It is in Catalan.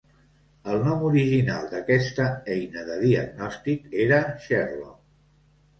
El nom original d'aquesta eina de diagnòstic era "Sherlock".